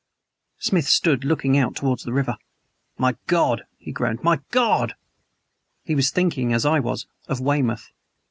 Smith stood looking out towards the river. "My God!" he groaned. "My God!" He was thinking, as I was, of Weymouth.